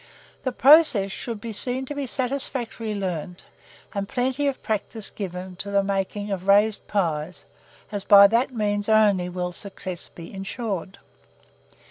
The process should be seen to be satisfactorily learnt, and plenty of practice given to the making of raised pies, as by that means only will success be insured.